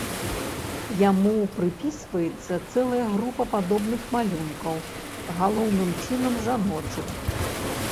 Яму прыпісваецца цэлая група падобных малюнкаў, галоўным чынам, жаночых.